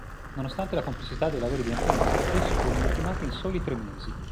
Nonostante la complessità dei lavori di ampliamento, essi furono ultimati in soli tre mesi.